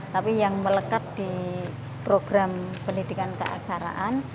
tapi yang melekat di program pendidikan keaksaraan